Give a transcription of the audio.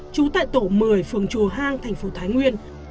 trú tại tổ một mươi phường chùa hang thành phố thái nguyên